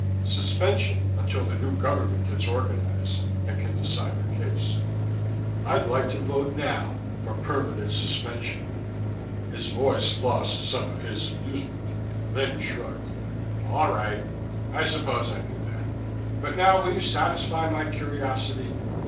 "Suspension until the new government gets organized and can decide your case. I'd like to vote now for permanent suspension." His face lost some of his amusement. Then he shrugged. "All right, I suppose I knew that. But now will you satisfy my curiosity?